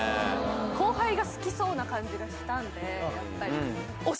後輩が好きそうな感じがしたんでやっぱり。